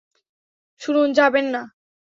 শুনুন, যাবেন না!